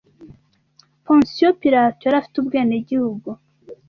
Pontius Pilato yari afite ubwenegihugu